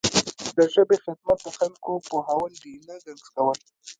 د ژبې خدمت د خلکو پوهول دي نه ګنګسول.